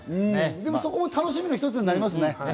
そこも楽しみの一つにありますね。